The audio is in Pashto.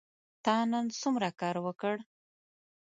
تا نن څومره کار وکړ ؟